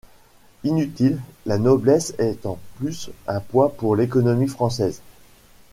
Inutile, la noblesse est en plus un poids pour l'économie française.